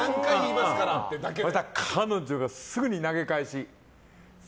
彼女がすぐに投げ返し。